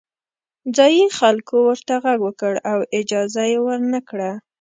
ځايي خلکو ورته غږ وکړ او اجازه یې ورنه کړه.